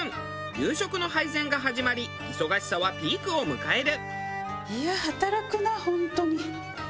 夕食の配膳が始まり忙しさはピークを迎える。